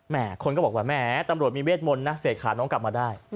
แหมคนก็บอกแหมตำรวจมีเวทมนตร์เสกขาน้องกลับมาได้